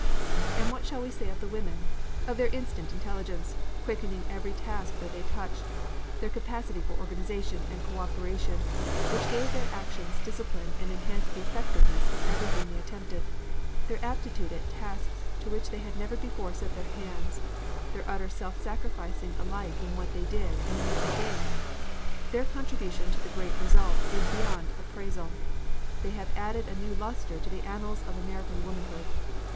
"And what shall we say of the women of their instant intelligence, quickening every task that they touched; their capacity for organization and co operation, which gave their action discipline and enhanced the effectiveness of everything they attempted; their aptitude at tasks to which they had never before set their hands; their utter self sacrificing alike in what they did and in what they gave? Their contribution to the great result is beyond appraisal. They have added a new luster to the annals of American womanhood.